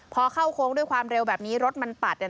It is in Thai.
พอเข้าโค้งด้วยความเร็วแบบนี้รถมันปัดเนี่ย